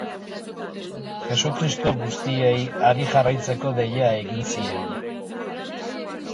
Jesukristok guztiei hari jarraitzeko deia egin zien.